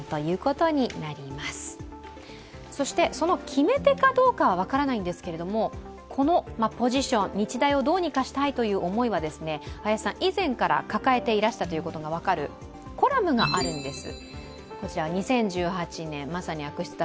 決め手かどうか分からないんですけれども、日大をどうにかしたいという思いは林さん、以前から抱えていらしたことが分かるコラムがあるんです。